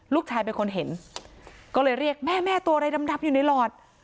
ลูกชายเป็นคนเห็นก็เลยเรียกแม่แม่ตัวอะไรดำอยู่ในหลอด